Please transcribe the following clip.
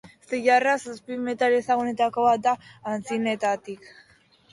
Zilarra zazpi metal ezagunetako bat da antzinatetik.